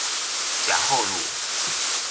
甲后路